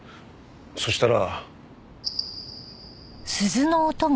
そしたら。